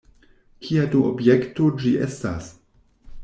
Kia do objekto ĝi estas?